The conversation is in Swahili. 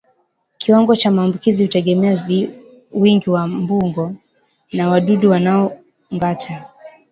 Kiwango cha maambukizi hutegemea wingi wa mbungo na wadudu wanaongata